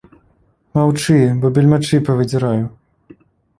Маўчы, бо бельмачы павыдзіраю!!